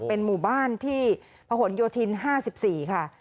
เป็นหมู่บ้านที่พะหนโยธิน๕๔ค่ะ